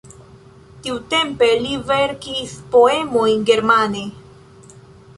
Tiutempe li verkis poemojn germane.